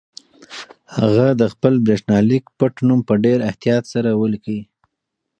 هغه د خپل برېښنالیک پټنوم په ډېر احتیاط سره ولیکه.